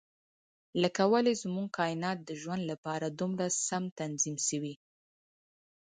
لکه ولې زموږ کاینات د ژوند لپاره دومره سم تنظیم شوي.